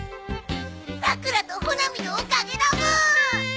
さくらと穂波のおかげだブー。